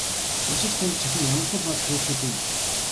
Уншигч танд чухам ямархуу бодол төрүүлэхийг бүү мэд.